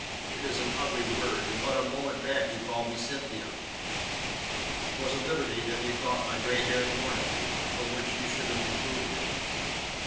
"It is an ugly word, and but a moment back you called me Cynthia." "Twas a liberty that methought my grey hairs warranted, and for which you should have reproved me."